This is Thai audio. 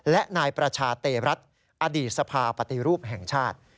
และนายประชาเตรัฐอดีตสภาปฏิรูปแห่งชาติ